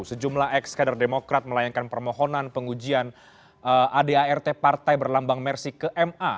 sejumlah ex kader demokrat melayangkan permohonan pengujian adart partai berlambang mersi ke ma